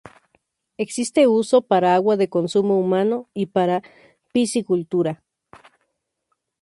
Existe uso para agua de consumo humano y para piscicultura.